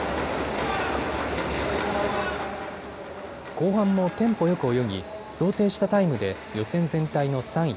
後半もテンポよく泳ぎ想定したタイムで予選全体の３位。